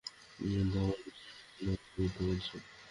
কিন্তু আমার বিশ্বাস হচ্ছে না আমাকে মিথ্যা বলেছ?